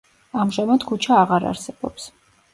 ამჟამად ქუჩა აღარ არსებობს.